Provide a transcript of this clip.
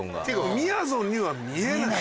みやぞんには見えない。